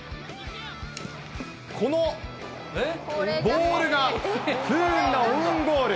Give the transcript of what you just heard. このボールが、不運なオウンゴール。